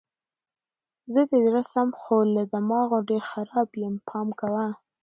زه د زړه سم خو له دماغو ډېر خراب یم پام کوه!